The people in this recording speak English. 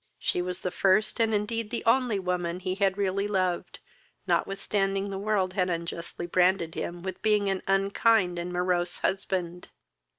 She was the first, and indeed the only, woman he had really loved, notwithstanding the world had unjustly branded him with being an unkind and morose husband.